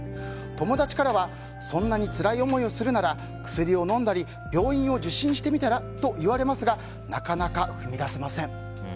友達からはそんなにつらい思いをするなら薬を飲んだり病院を受診してみたら？と言われますがなかなか踏み出せません。